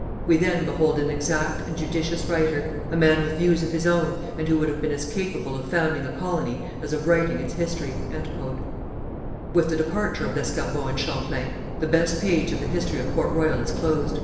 We then behold an exact and judicious writer, a man with views of his own, and who would have been as capable of founding a colony as of writing its history." With the departure of Lescarbot and Champlain the best page of the history of Port Royal is closed.